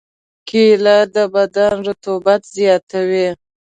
کېله د بدن رطوبت زیاتوي.